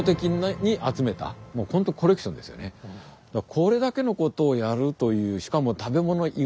これだけのことをやるというしかも食べ物以外。